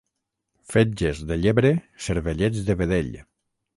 Fetges de llebre, cervellets de vedell.